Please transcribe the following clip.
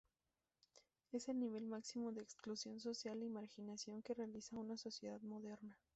Es el nivel máximo de exclusión social y marginación que realiza una sociedad moderna.